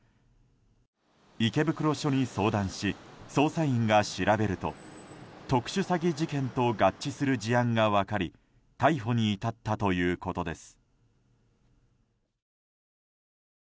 池袋署に相談し捜査員が調べると特殊詐欺事件と合致する事案が分かり逮捕に至ったということです。